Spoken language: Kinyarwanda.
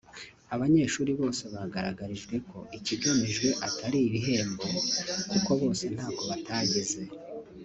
Abanyeshuri bose bagaragarijwe ko ikigamijwe atari ibihembo kuko bose ntako batagize